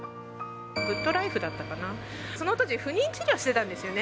ＧｏｏｄＬｉｆｅだったかな、そのとき、不妊治療してたんですよね。